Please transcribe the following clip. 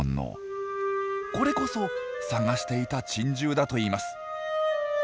これこそ探していた珍獣だといいます。